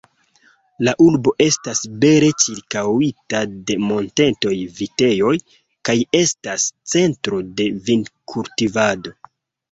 La urbo estas bele ĉirkaŭita de montetaj vitejoj, kaj estas centro de vinkultivado.